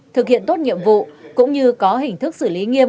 thực hiện tốt nhiệm vụ cũng như có hình thức xử lý nghiêm